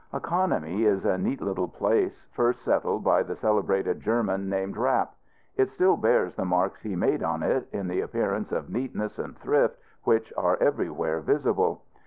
Economy is a neat little place, first settled by the celebrated German named Rapp. It still bears the marks he made on it, in the appearance of neatness and thrift which are everywhere visible.